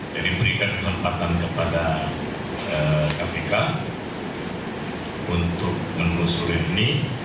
jadi berikan kesempatan kepada kpk untuk menelusuri ini